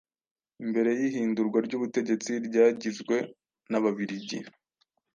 Mbere y'ihindurwa ry'ubutegetsi ryagizwe n'Ababiligi